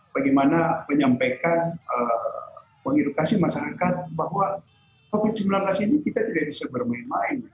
bagaimana menyampaikan mengedukasi masyarakat bahwa covid sembilan belas ini kita tidak bisa bermain main